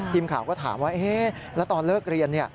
ทีมข่าวก็ถามว่าแล้วตอนเลิกเรียน